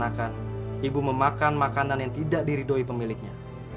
maka biar ibu menerima uang yang ada di tubuhku